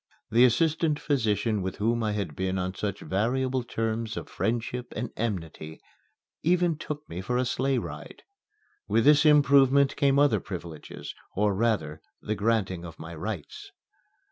The assistant physician with whom I had been on such variable terms of friendship and enmity even took me for a sleigh ride. With this improvement came other privileges or, rather, the granting of my rights.